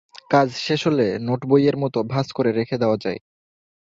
কাজ শেষ হলে নোটবইয়ের মতো ভাঁজ করে রেখে দেওয়া যায়।